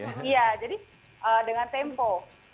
jadi dengan tempo